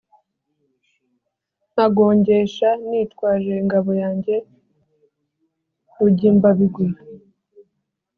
nkagongesha nitwaje ingabo yanjye rugimbabigwi.